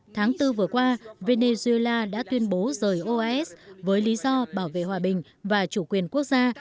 tháng bốn vừa qua venezuela đã tuyên bố rời oas với lý do bảo vệ hòa bình và chủ quyền quốc gia